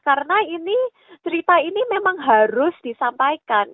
karena ini cerita ini memang harus disampaikan